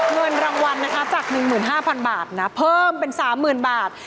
เงินรางวัลนะคะจาก๑๕๐๐๐บาทนะเพิ่มเป็น๓๐๐๐บาท